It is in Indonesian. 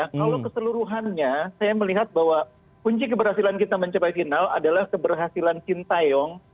kalau keseluruhannya saya melihat bahwa kunci keberhasilan kita mencapai final adalah keberhasilan sintayong